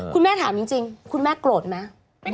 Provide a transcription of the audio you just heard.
คุณแม่ถามจริงคุณแม่โกรธไหม